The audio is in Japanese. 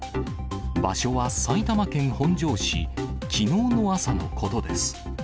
場所は埼玉県本庄市、きのうの朝のことです。